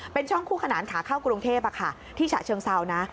เป็นช่องคู่ขนานขาเข้ากรุงเทพที่ฉะเชิงเซานะ